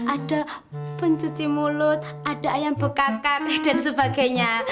ada pencuci mulut ada ayam bekakan dan sebagainya